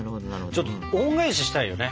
ちょっと恩返ししたいよね。